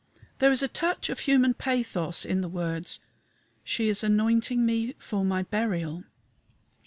There is a touch of human pathos in the words, "She is anointing me for my burial."